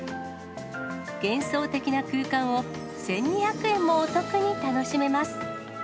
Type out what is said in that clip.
幻想的な空間を１２００円もお得に楽しめます。